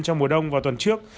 trong mùa đông vào tuần trước